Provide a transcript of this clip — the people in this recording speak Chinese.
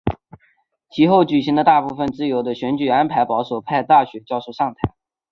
其后举行的大部分自由的选举安排保守派大学教授上台。